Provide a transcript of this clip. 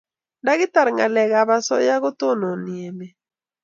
Ndakitar ngalek ab asoya ko tononi emet